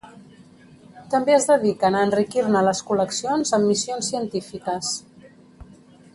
També es dediquen a enriquir-ne les col·leccions amb missions científiques.